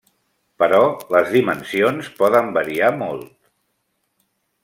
Però les dimensions poden variar molt.